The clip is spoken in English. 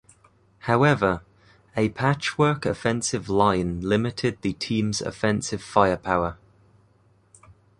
However, a patchwork offensive line limited the team's offensive firepower.